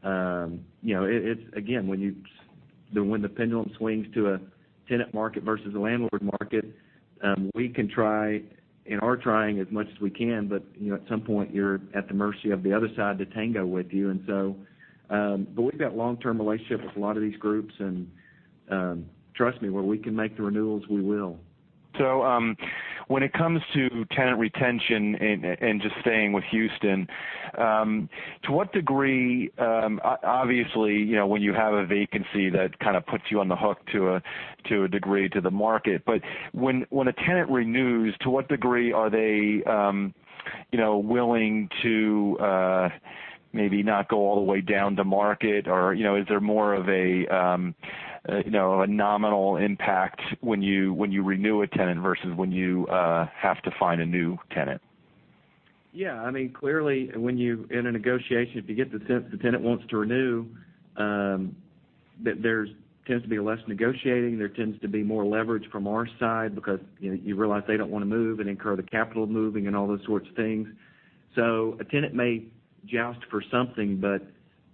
Again, when the pendulum swings to a tenant market versus a landlord market, we can try and are trying as much as we can, but at some point, you're at the mercy of the other side to tango with you. We've got long-term relationships with a lot of these groups, and trust me, where we can make the renewals, we will. When it comes to tenant retention and just staying with Houston, to what degree obviously, when you have a vacancy, that kind of puts you on the hook to a degree to the market. When a tenant renews, to what degree are they willing to maybe not go all the way down to market? Is there more of a nominal impact when you renew a tenant versus when you have to find a new tenant? Yeah. Clearly, in a negotiation, if you get the sense the tenant wants to renew, there tends to be less negotiating. There tends to be more leverage from our side because you realize they don't want to move and incur the capital of moving and all those sorts of things. A tenant may joust for something,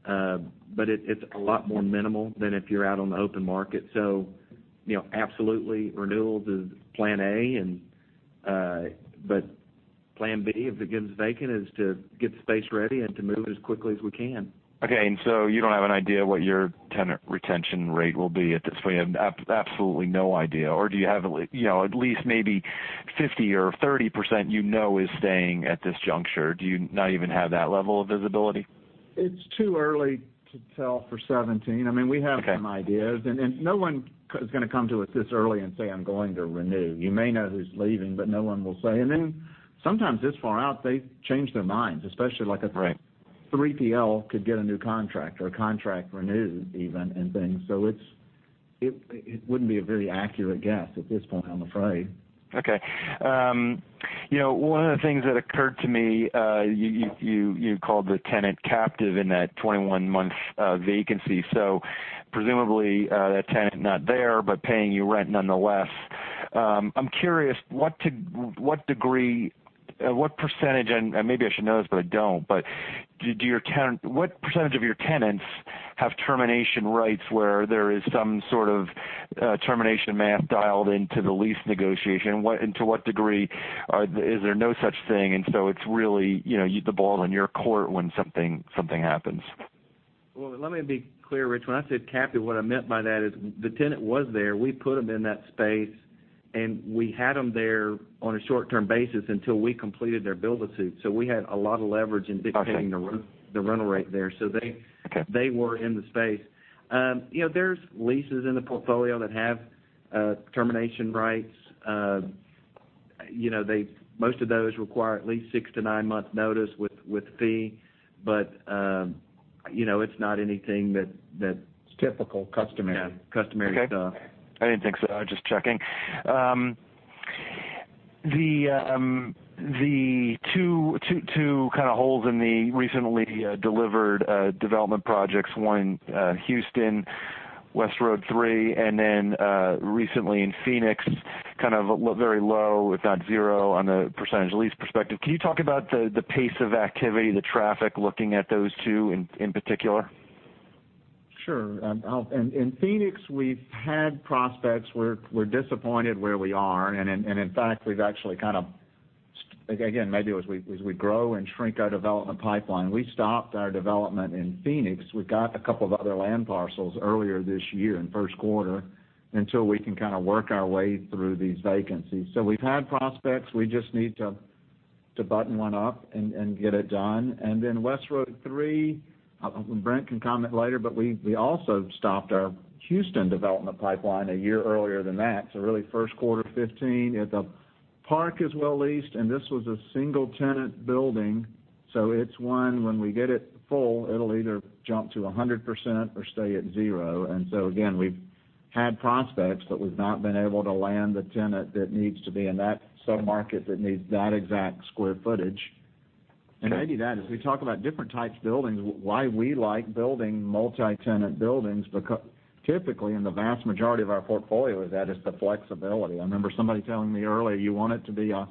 but it's a lot more minimal than if you're out on the open market. Absolutely, renewals is plan A. Plan B, if it becomes vacant, is to get the space ready and to move as quickly as we can. Okay. You don't have an idea what your tenant retention rate will be at this point? You have absolutely no idea? Do you have at least maybe 50% or 30% you know is staying at this juncture? Do you not even have that level of visibility? It's too early to tell for 2017. Okay. We have some ideas, no one is going to come to us this early and say, "I'm going to renew." You may know who's leaving, but no one will say. Sometimes this far out, they change their minds, especially like. Right 3PL could get a new contract or a contract renewed even, and things. It wouldn't be a very accurate guess at this point, I'm afraid. Okay. One of the things that occurred to me, you called the tenant captive in that 21-month vacancy, presumably, that tenant not there, but paying you rent nonetheless. I'm curious what degree, what percentage, and maybe I should know this, but I don't. What percentage of your tenants have termination rights, where there is some sort of termination math dialed into the lease negotiation? To what degree? Is there no such thing, and it's really the ball's in your court when something happens? Well, let me be clear, Rich. When I said captive, what I meant by that is the tenant was there. We put them in that space, and we had them there on a short-term basis until we completed their build-to-suit. We had a lot of leverage in Okay dictating the rental rate there. they Okay were in the space. There's leases in the portfolio that have termination rights. Most of those require at least six to nine-month notice with fee. It's not anything that. It's typical, customary yeah, customary stuff. Okay. I didn't think so. Just checking. The two kind of holes in the recently delivered development projects, one in Houston, West Road 3, and then recently in Phoenix, kind of very low, if not 0, on the percentage lease perspective. Can you talk about the pace of activity, the traffic, looking at those two in particular? Sure. In Phoenix, we've had prospects. We're disappointed where we are, and in fact, we've actually again, maybe as we grow and shrink our development pipeline, we stopped our development in Phoenix. We got a couple of other land parcels earlier this year in first quarter, until we can work our way through these vacancies. We've had prospects. We just need to button one up and get it done. West Road 3, Brent can comment later, but we also stopped our Houston development pipeline a year earlier than that, really first quarter 2015. The park is well leased, and this was a single-tenant building, so it's one, when we get it full, it'll either jump to 100% or stay at zero. Again, we've had prospects, but we've not been able to land the tenant that needs to be in that sub-market that needs that exact square footage. Okay. Maybe that, as we talk about different types of buildings, why we like building multi-tenant buildings, because typically, in the vast majority of our portfolio is that it's the flexibility. I remember somebody telling me early, you want it to be a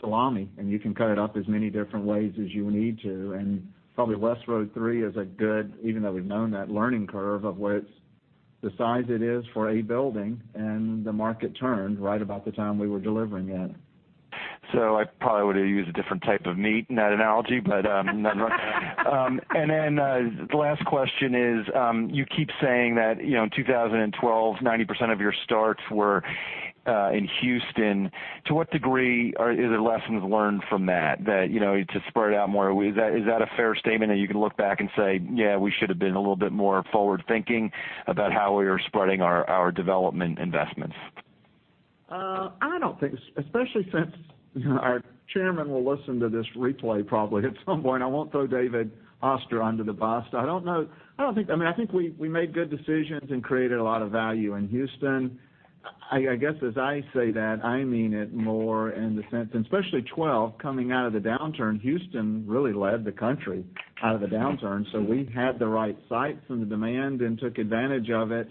salami, and you can cut it up as many different ways as you need to. Probably West Road 3 is a good, even though we've known that learning curve of the size it is for a building, and the market turned right about the time we were delivering it. I probably would've used a different type of meat in that analogy, but nevermind. The last question is, you keep saying that in 2012, 90% of your starts were in Houston, to what degree are the lessons learned from that, to spread out more? Is that a fair statement that you can look back and say, "Yeah, we should've been a little bit more forward-thinking about how we are spreading our development investments? I don't think so, especially since our chairman will listen to this replay probably at some point. I won't throw David Hoster under the bus, though. I think we made good decisions and created a lot of value in Houston. I guess, as I say that, I mean it more in the sense. Especially 2012, coming out of the downturn, Houston really led the country out of the downturn, so we had the right sites and the demand and took advantage of it.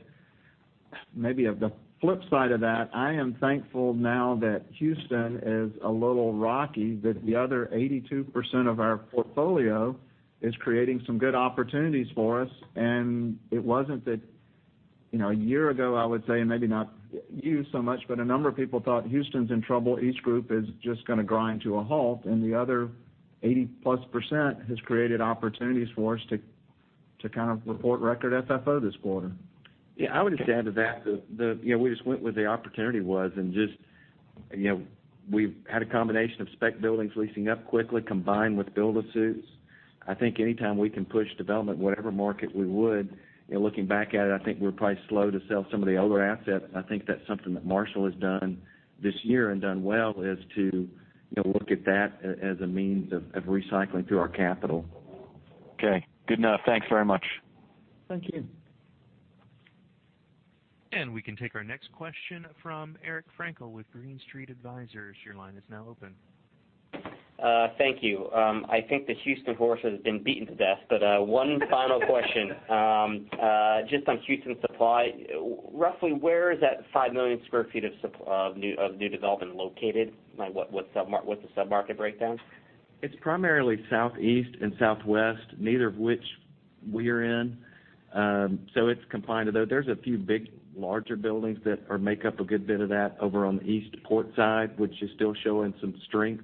Maybe of the flip side of that, I am thankful now that Houston is a little rocky, that the other 82% of our portfolio is creating some good opportunities for us. It wasn't that a year ago, I would say, maybe not you so much, but a number of people thought Houston's in trouble. EastGroup is just going to grind to a halt, and the other 80-plus % has created opportunities for us to kind of report record FFO this quarter. Yeah, I would just add to that, we just went where the opportunity was, and just we've had a combination of spec buildings leasing up quickly, combined with build-to-suits. I think anytime we can push development, whatever market, we would. Looking back at it, I think we're probably slow to sell some of the older assets. I think that's something that Marshall has done this year and done well, is to look at that as a means of recycling through our capital. Okay, good enough. Thanks very much. Thank you. We can take our next question from Eric Frankel with Green Street Advisors. Your line is now open. Thank you. I think the Houston horse has been beaten to death, but one final question. On Houston supply, roughly where is that 5 million square feet of new development located? What's the sub-market breakdown? It's primarily southeast and southwest, neither of which we are in. It's confined to those. There's a few big, larger buildings that make up a good bit of that over on the east Port side, which is still showing some strength.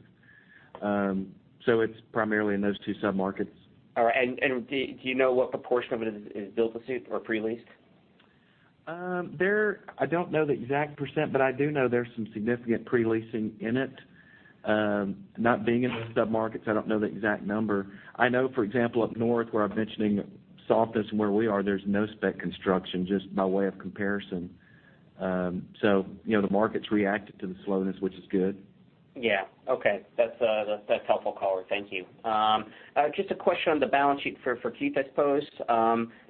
It's primarily in those two sub-markets. All right. Do you know what proportion of it is build-to-suit or pre-leased? I don't know the exact percent, but I do know there's some significant pre-leasing in it. Not being in those sub-markets, I don't know the exact number. I know, for example, up north where I'm mentioning softness and where we are, there's no spec construction, just by way of comparison. The market's reacted to the slowness, which is good. Yeah. Okay. That's helpful color. Thank you. Just a question on the balance sheet for Keith, I suppose.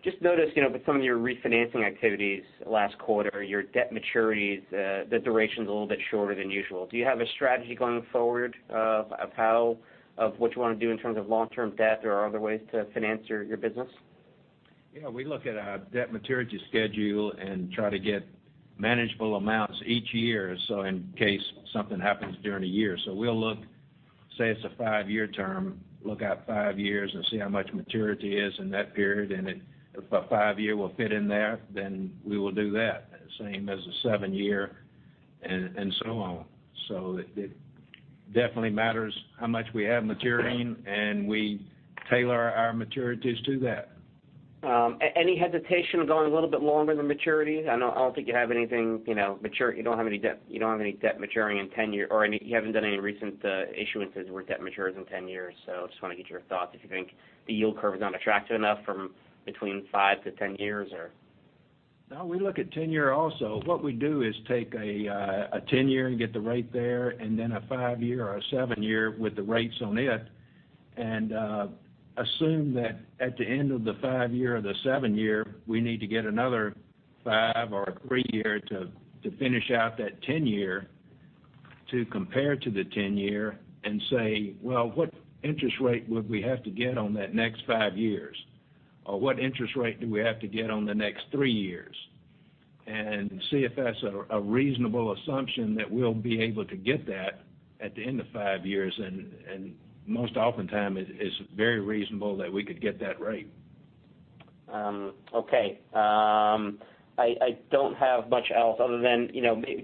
Just noticed with some of your refinancing activities last quarter, your debt maturities, the duration's a little bit shorter than usual. Do you have a strategy going forward of what you want to do in terms of long-term debt or other ways to finance your business? Yeah, we look at our debt maturity schedule and try to get manageable amounts each year, so in case something happens during a year. We'll look, say it's a five-year term, look out five years and see how much maturity is in that period, and if a five year will fit in there, then we will do that. Same as a seven year and so on. It definitely matters how much we have maturing, and we tailor our maturities to that. Any hesitation of going a little bit longer in the maturities? I don't think you have anything maturing. You don't have any debt maturing in 10 years, or you haven't done any recent issuances where debt matures in 10 years. I just want to get your thoughts if you think the yield curve is not attractive enough from between 5 to 10 years or We look at 10-year also. What we do is take a 10-year and get the rate there, then a 5-year or a 7-year with the rates on it, and assume that at the end of the 5-year or the 7-year, we need to get another 5 or a 3-year to finish out that 10-year to compare to the 10-year and say, "Well, what interest rate would we have to get on that next 5 years?" Or, "What interest rate do we have to get on the next 3 years?" See if that's a reasonable assumption that we'll be able to get that at the end of 5 years. Most often time, it's very reasonable that we could get that rate. Okay. I don't have much else other than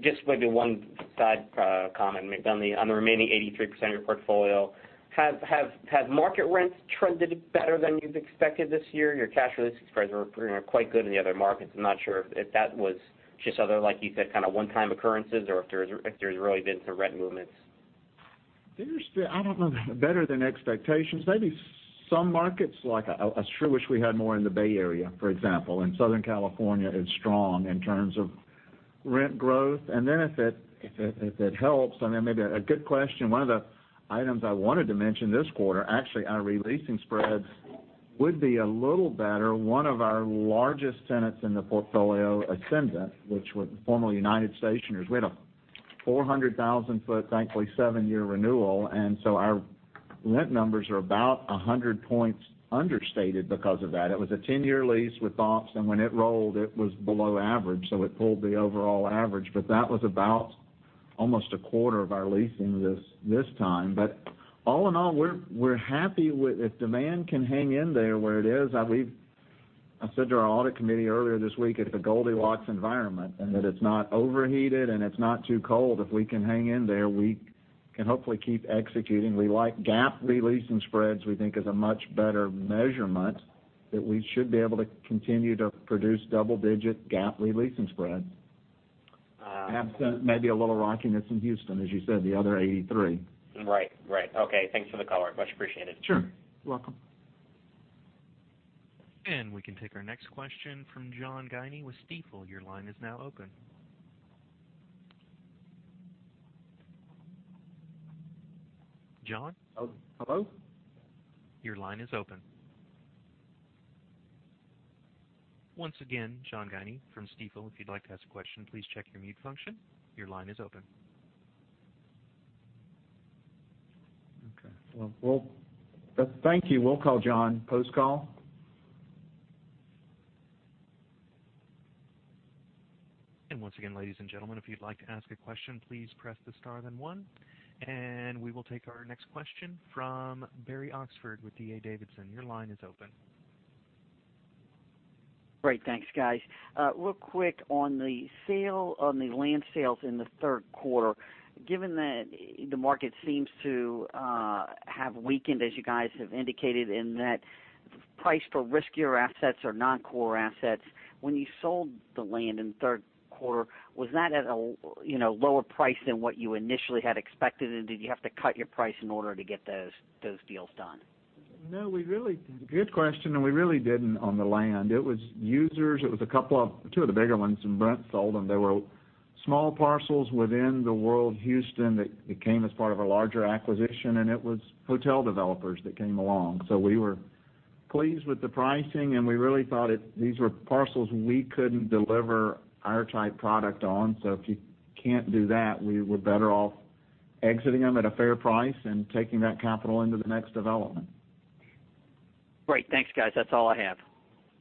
just maybe 1 side comment on the remaining 83% of your portfolio. Have market rents trended better than you've expected this year? Your cash for leasing spreads were quite good in the other markets. I'm not sure if that was just other, like you said, kind of one-time occurrences, or if there's really been some rent movements. I don't know better than expectations. Maybe some markets, I sure wish we had more in the Bay Area, for example, and Southern California is strong in terms of rent growth. If it helps, maybe a good question, 1 of the items I wanted to mention this quarter, actually, our re-leasing spreads would be a little better. 1 of our largest tenants in the portfolio, Essendant, which was formerly United Stationers. We had a 400,000-foot, thankfully, 7-year renewal, our rent numbers are about 100 points understated because of that. It was a 10-year lease with options, when it rolled, it was below average, it pulled the overall average. That was about almost a quarter of our leasing this time. All in all, we're happy. If demand can hang in there where it is, I said to our audit committee earlier this week, it's a Goldilocks environment and that it's not overheated and it's not too cold. If we can hang in there, we can hopefully keep executing. We like GAAP re-leasing spreads, we think is a much better measurement. We should be able to continue to produce double-digit GAAP leasing spreads. Absent maybe a little rockiness in Houston, as you said, the other 83. Right. Okay. Thanks for the color. Much appreciated. Sure. Welcome. We can take our next question from John Guinee with Stifel. Your line is now open. John? Hello? Your line is open. Once again, John Guinee from Stifel, if you'd like to ask a question, please check your mute function. Your line is open. Okay. Well, thank you. We'll call John post-call. Once again, ladies and gentlemen, if you'd like to ask a question, please press the star then one. We will take our next question from Barry Oxford with D.A. Davidson. Your line is open. Great. Thanks, guys. Real quick, on the land sales in the third quarter, given that the market seems to have weakened as you guys have indicated, and that price for riskier assets or non-core assets, when you sold the land in the third quarter, was that at a lower price than what you initially had expected? Did you have to cut your price in order to get those deals done? No. Good question. We really didn't on the land. It was users. It was two of the bigger ones, and Brent sold them. They were small parcels within the World Houston that came as part of a larger acquisition, and it was hotel developers that came along. We were pleased with the pricing, and we really thought these were parcels we couldn't deliver our type product on. If you can't do that, we were better off exiting them at a fair price and taking that capital into the next development. Great. Thanks, guys. That's all I have.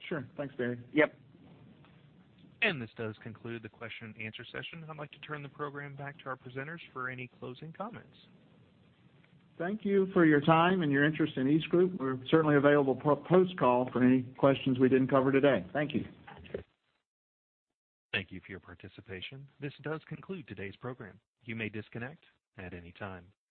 Sure. Thanks, Barry. Yep. This does conclude the question and answer session. I'd like to turn the program back to our presenters for any closing comments. Thank you for your time and your interest in EastGroup. We're certainly available post-call for any questions we didn't cover today. Thank you. Thank you. Thank you for your participation. This does conclude today's program. You may disconnect at any time.